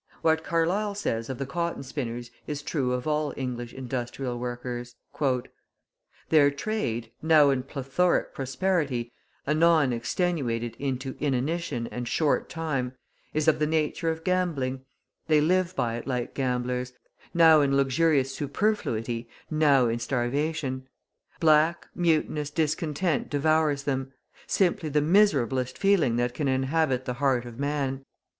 What Carlyle says of the cotton spinners is true of all English industrial workers: {117a} "Their trade, now in plethoric prosperity, anon extenuated into inanition and 'short time,' is of the nature of gambling; they live by it like gamblers, now in luxurious superfluity, now in starvation. Black, mutinous discontent devours them; simply the miserablest feeling that can inhabit the heart of man.